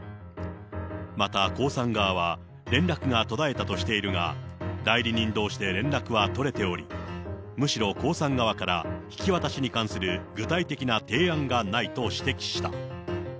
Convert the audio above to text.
また江さん側は、連絡が途絶えたとしているが、代理人どうしで連絡は取れており、むしろ江さん側から引き渡しに関する具体的な提案がないと指摘した。